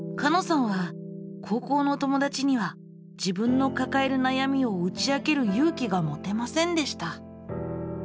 さんは高校の友だちには自分のかかえる悩みを打ち明ける勇気が持てませんでした。